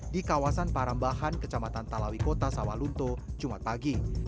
di kawasan parambahan kecamatan talawi kota sawalunto jumat pagi